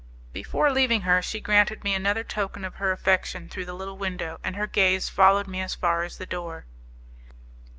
Before leaving her, she granted me another token of her affection through the little window, and her gaze followed me as far as the door.